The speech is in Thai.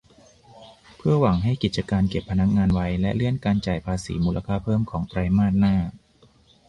เพื่อหวังให้กิจการเก็บพนักงานไว้ และเลื่อนการจ่ายภาษีมูลค่าเพิ่มของไตรมาสหน้า